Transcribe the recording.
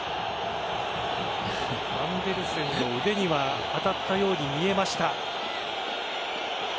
アンデルセンの腕には当たったように見えました。